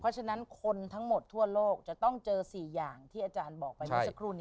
เพราะฉะนั้นคนทั้งหมดทั่วโลกจะต้องเจอ๔อย่างที่อาจารย์บอกไปเมื่อสักครู่นี้